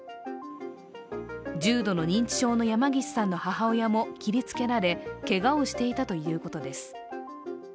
重度の認知症の山岸さんの母親も切りつけられ、けがをしていたということです。